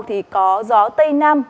thì có gió tây nam